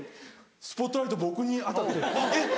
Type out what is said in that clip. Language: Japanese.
スポットライト僕に当たってえっ！